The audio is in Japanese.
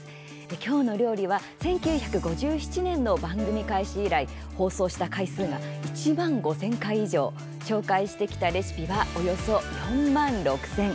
「きょうの料理」は１９５７年の番組開始以来放送した回数が１万５０００回以上紹介してきたレシピはおよそ４万６０００。